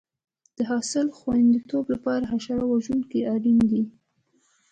د حاصل خوندیتوب لپاره حشره وژونکي اړین دي.